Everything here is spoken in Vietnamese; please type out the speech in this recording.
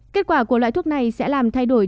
kết quả của loại thuốc này sẽ làm thay đổi